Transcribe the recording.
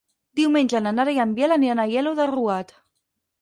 Diumenge na Nara i en Biel aniran a Aielo de Rugat.